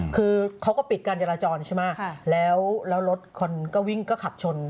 คือเขาก็ปิดการจราจรใช่ไหมแล้วรถคนก็วิ่งก็ขับชน